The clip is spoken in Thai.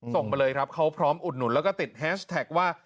ส่งมาเลยครับเขาพร้อมอุดหนุนแล้วก็ติดแฮชแท็กว่า